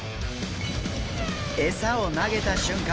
餌を投げた瞬間